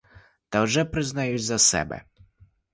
Та вже признаюсь за себе.